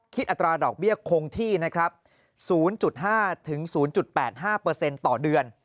คิดอัตราดอกเบี้ยคงที่๐๕๐๘๕ต่อเดือน